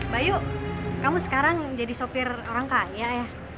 bayu kamu sekarang jadi sopir orang kaya ya